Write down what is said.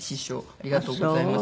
ありがとうございます。